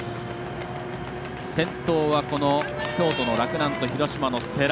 先頭は、京都の洛南と広島の世羅。